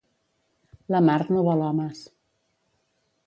La mar no vol homes